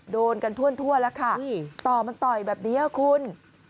โดนกันทั่วแล้วค่ะต่อมันต่อยแบบนี้คุณ